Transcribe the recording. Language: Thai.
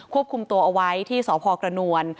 ควบคุมตัวเอาไว้ที่สพกระนวล